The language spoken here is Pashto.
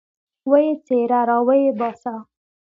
ويې څيره راويې باسه.